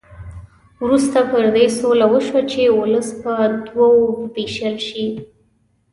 وروسته پر دې سوله وشوه چې ولس په دوه وو وېشل شي.